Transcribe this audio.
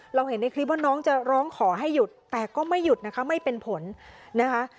เราเห็นในคลิปว่าน้องจะร้องขอให้หยุดแต่ก็ไม่หยุดนะคะไม่เป็นผลนะคะ